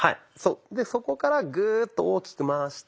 でそこからグーッと大きく回して。